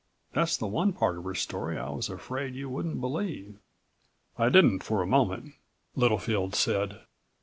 That's the one part of her story I was afraid you wouldn't believe." "I didn't for a moment," Littlefield said.